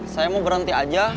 saya mau berhenti aja